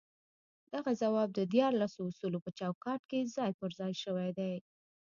دغه ځواب د ديارلسو اصولو په چوکاټ کې ځای پر ځای شوی دی.